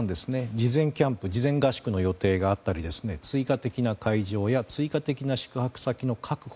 事前キャンプ事前合宿の予定があったり追加的な会場や追加的な宿泊先の確保